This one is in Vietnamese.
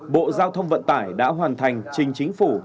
bộ giao thông vận tải đã hoàn thành trình chính phủ